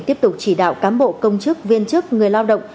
tiếp tục chỉ đạo cán bộ công chức viên chức người lao động